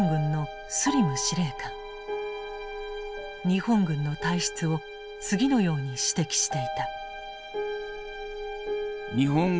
日本軍の体質を次のように指摘していた。